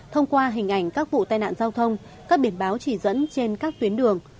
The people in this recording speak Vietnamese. thông qua hình ảnh các vụ tai nạn giao thông các biển báo chỉ dẫn trên các tuyến đường